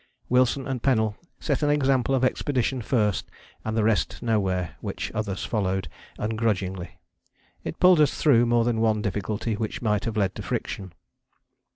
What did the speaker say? Wilson and Pennell set an example of expedition first and the rest nowhere which others followed ungrudgingly: it pulled us through more than one difficulty which might have led to friction.